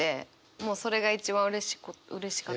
もうそれが一番うれしかった。